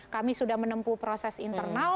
kami sudah menempuh proses internal